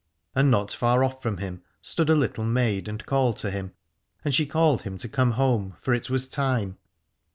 And not far off from him stood a little maid and called to him : and she called him to come home, for it was time.